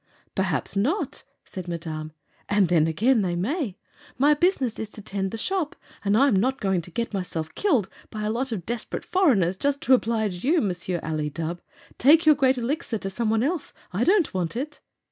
"Perhaps not," said Madame, "and then, again, they may. My business is to tend the shop, and I am not going to get myself killed by a lot of desperate foreigners just to oblige you, Monsieur Ali Dubh! Take your Great Elixir to some one else. I don't want it."